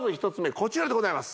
こちらでございます